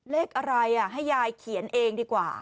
เลขอะไรให้ยายเขียนเองดีกว่า